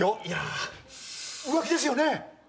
いや浮気ですよね？